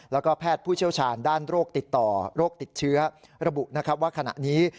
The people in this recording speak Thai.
แล้วก็แพทย์ผู้เชี่ยวชาญด้านโรคติดต่อโรคติดเชื้อระบุนะครับว่าขณะนี้